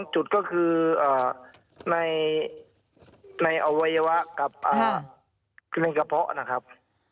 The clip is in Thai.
จุดก็คือในอวัยวะกับในกระเพาะนะครับ